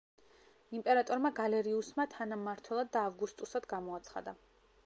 იმპერატორმა გალერიუსმა თანამმართველად და ავგუსტუსად გამოაცხადა.